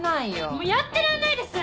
もうやってらんないです。